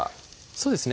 そうですね